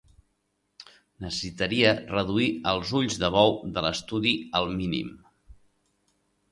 Necessitaria reduir els ulls de bou de l'estudi al mínim.